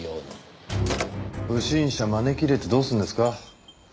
不審者招き入れてどうするんですか？